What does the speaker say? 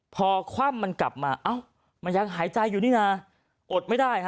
พอคว่ำมันกลับมาเอ้ามันยังหายใจอยู่นี่นะอดไม่ได้ฮะ